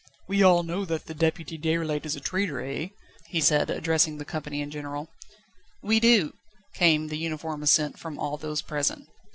"We all know that the Deputy Déroulède is a traitor, eh?" he said, addressing the company in general. "We do," came with uniform assent from all those present.